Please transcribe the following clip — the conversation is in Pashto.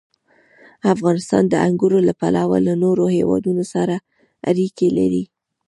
افغانستان د انګورو له پلوه له نورو هېوادونو سره اړیکې لري.